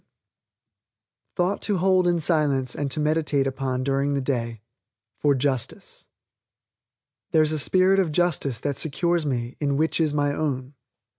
THOUGHT TO HOLD IN SILENCE AND TO MEDITATE UPON DURING THE DAY FOR JUSTICE "There's a Spirit of Justice that Secures me in Which is My Own."